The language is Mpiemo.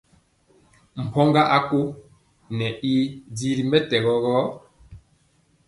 Mpɔŋga a kóo ŋɛ y di ri mɛtɛgɔ gɔ.